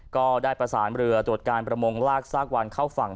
ก็ได้ประสานเรือตรวจการประมงลากซากวันเข้าฝั่ง